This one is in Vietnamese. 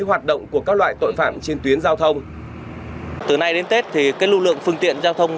hoạt động của các loại tội phạm trên tuyến giao thông